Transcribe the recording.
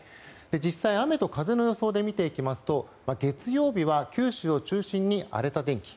実際、雨と風の予想で見ていきますと月曜日は九州を中心に荒れた天気。